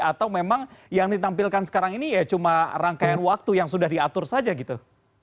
atau memang yang ditampilkan sekarang ini ya cuma rangkaian waktu yang sudah diatur saja gitu